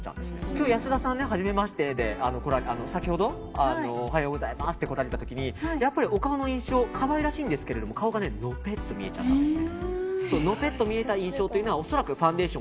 今日、安田さん初めましてで先ほどおはようございますと来られた時にやっぱりお顔の印象可愛らしいんですけど顔がのぺっと見えちゃったんです。